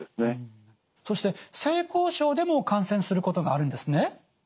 そして性交渉でも感染することがあるんですね？